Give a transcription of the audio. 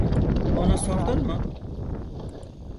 Ona sordun mu?